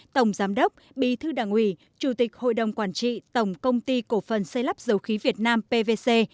tổng giám đốc bí thư đảng ủy chủ tịch hội đồng quản trị tổng công ty cổ phần xây lắp dầu khí việt nam pvc